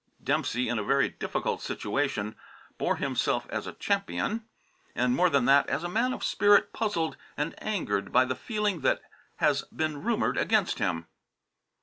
Dempsey, in a very difficult situation, bore himself as a champion, and (more than that) as a man of spirit puzzled and angered by the feeling that has been rumoured against him.